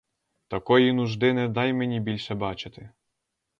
Такої нужди не дай мені більше бачити.